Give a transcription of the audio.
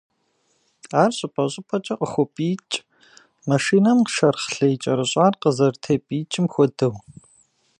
Ар щӏыпӏэ-щӏыпӏэкӏэ «къыхопӏиикӏ», машинэм шэрхъ лей кӏэрыщӏар къызэрытепӏиикӏым хуэдэу.